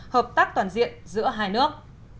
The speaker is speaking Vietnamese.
hợp tác toàn diện giữa hai nước